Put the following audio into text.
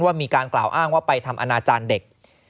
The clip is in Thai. มีการกล่าวอ้างว่าไปทำอนาจารย์เด็ก